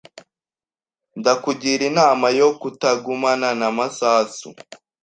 Ndakugira inama yo kutagumana na Masasu.